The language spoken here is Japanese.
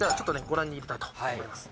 ご覧にいれたいと思います